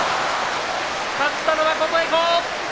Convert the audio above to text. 勝ったのは琴恵光。